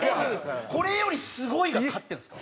これより「すごい」が勝ってるんですか？